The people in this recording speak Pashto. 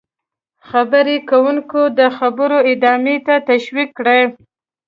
-خبرې کوونکی د خبرو ادامې ته تشویق کړئ: